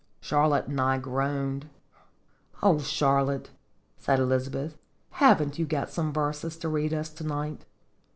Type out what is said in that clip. Charlotte and I groaned. "Oh, Charlotte," said Elizabeth, "haven't you got some verses to read to us to night?"